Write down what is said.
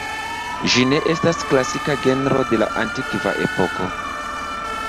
Ĝi ne estas klasika genro de la antikva epoko.